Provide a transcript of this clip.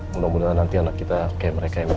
mudah mudahan nanti anak kita kayak mereka ya mbak